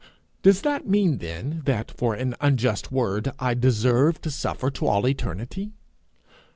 Does that mean, then, that for an unjust word I deserve to suffer to all eternity?